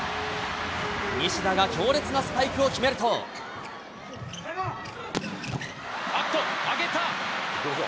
西田が強烈なスパイクを決めあっと、上げた。